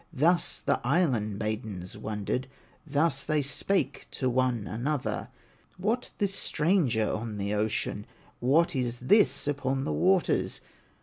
Thus the island maidens wondered, Thus they spake to one another: "What this stranger on the ocean, What is this upon the waters?